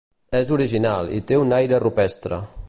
És original i té un aire rupestre.